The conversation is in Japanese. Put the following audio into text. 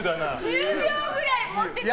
１０秒くらい持ってた！